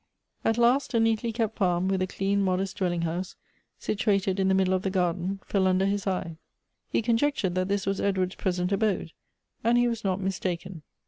At last a neatly kept farm, with a clean, modest dwell ing house, situated in the middle of the garden, fell under his eye. He conjectured that this was Edward's present abode ; and he was not mistaken.